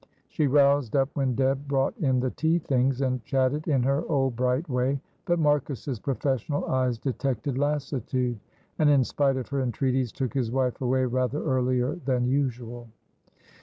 She roused up when Deb brought in the tea things, and chatted in her old bright way, but Marcus's professional eyes detected lassitude, and in spite of her entreaties took his wife away rather earlier than usual.